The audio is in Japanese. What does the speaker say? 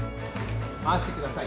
回してください。